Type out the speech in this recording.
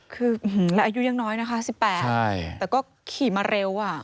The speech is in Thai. คือแล้วอายุยังน้อยนะคะ๑๘แต่ก็ขี่มาเร็ว